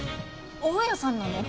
大家さんなの？